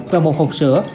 và một hộp sữa